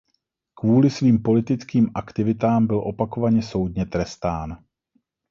Kvůli svým politickým aktivitám byl opakovaně soudně trestán.